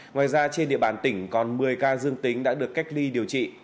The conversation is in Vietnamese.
ngoài ra trên địa bàn tỉnh còn một mươi ca dương tính đã được cách ly điều trị